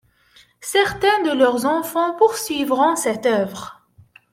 Certains de leurs enfants poursuivront cette œuvre.